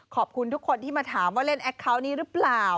ขอบคุณทุกคนที่มาถามว่าเล่นแอคเคาน์นี้หรือเปล่า